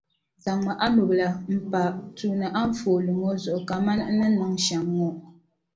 Zaŋmi a nubila m-pa tuuli anfooni maa zuɣu kamani n ni niŋ shɛm ŋɔ.